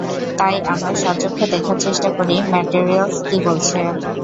তাই আমরা সচক্ষে দেখার চেষ্টা করি ম্যাটেরিয়ালস কী বলছে।